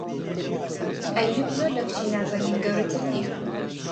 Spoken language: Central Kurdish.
ئەییووب زۆر لە کچی نازەنین گەورەتر نییە.